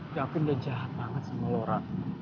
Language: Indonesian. davin udah jahat banget sama rara